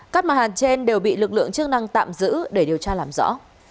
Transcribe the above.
các mặt hàng trên đều bị lực lượng chức năng tạm giữ để điều tra làm rõ